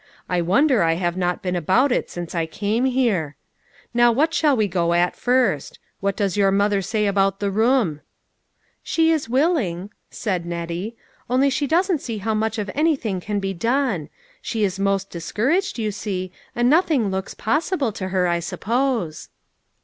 I wonder I have not been about it since I came here. Now what shall we go at first ? What does your mother say about the room ?"" She is willing," said Nettie, " only she doesn't see how much of anything can be done. She is most discouraged, you see, and nothing looks possible to her, I suppose."